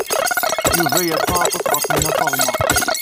Yuba yerfa aṭas ɣef Nna Faḍma.